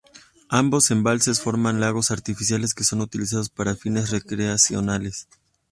Ambos embalses forman lagos artificiales que son utilizados para fines recreacionales.